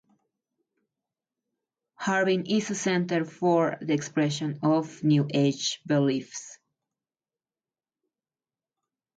Harbin is a center for the expression of New Age beliefs.